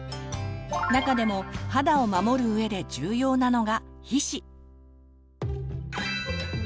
中でも肌を守るうえで重要なのが「皮脂」。